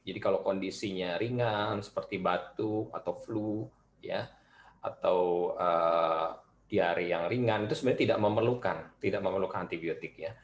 jadi kalau kondisinya ringan seperti batuk atau flu atau diare yang ringan itu sebenarnya tidak memerlukan antibiotik